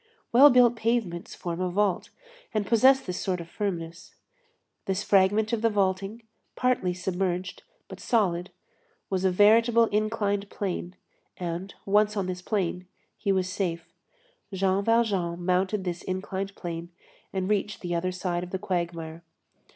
Well built pavements form a vault and possess this sort of firmness. This fragment of the vaulting, partly submerged, but solid, was a veritable inclined plane, and, once on this plane, he was safe. Jean Valjean mounted this inclined plane and reached the other side of the quagmire.